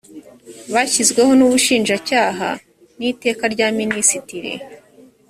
byashyizweho n ubushinjacyaha n iteka rya minisitiri